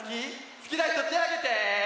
すきなひとてあげて。